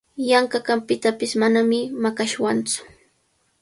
Yanqaqa pitapish manami maqashwantsu.